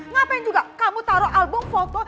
ngapain juga kamu taruh album foto